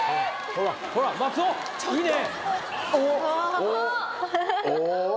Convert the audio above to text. ほらほら松尾いいね